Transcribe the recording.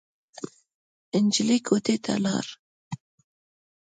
نجلۍ کوټې ته لاړ.